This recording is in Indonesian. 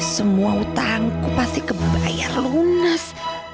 semua utangku pasti kebayar lunas